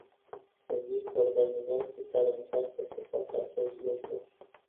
Există organizații care încearcă să facă acest lucru.